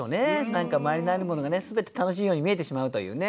何か周りにあるものがね全て楽しいように見えてしまうというね。